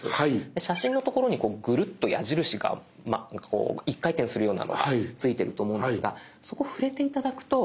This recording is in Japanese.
で写真の所にグルッと矢印が一回転するようなのが付いてると思うんですがそこ触れて頂くと。